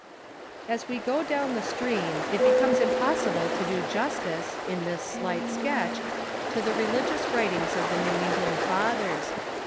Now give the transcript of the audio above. As we go down the stream it becomes impossible to do jus tice, in this slight sketch, to the religious waitings of the New England fathers.